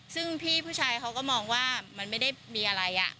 ซึ่งพี่ผู้ชายเขาก็มองว่ามันไม่ได้มีอะไร